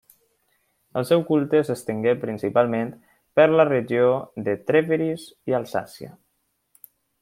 El seu culte s'estengué principalment per la regió de Trèveris i Alsàcia.